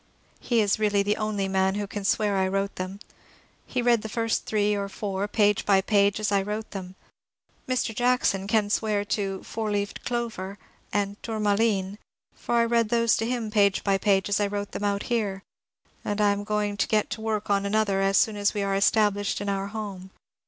He is really the only man who can swear I wrote them. He read the first three or four, page by page, as I wrote them. Mr. Jackson can swear to " Four leaved Clover " and Tourmaline," for I read those to him page by page as I wrote them out here. And I am going to get to work on another as soon as we are established in our home.